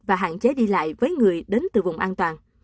và hạn chế đi lại với người đến từ vùng an toàn